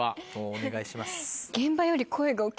お願いします。